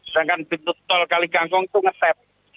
sedangkan pintu tol kekali kangkung itu ngetep